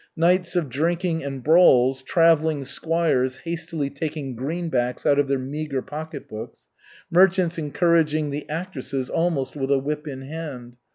Nights of drinking and brawls, travelling squires hastily taking greenbacks out of their meager pocket books, merchants encouraging the "actresses" almost with a whip in hand.